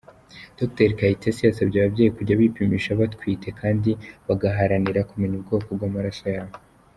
Dr Kayitesi yasabye ababyeyi kujya bipimisha batwite kandi bagaharanira kumenya ubwoko bw’amaraso yabo.